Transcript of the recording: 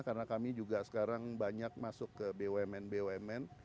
karena kami juga sekarang banyak masuk ke bumn bumn